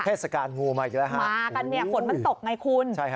เทศกาลงูมาอีกแล้วฮะมากันเนี่ยฝนมันตกไงคุณใช่ฮะ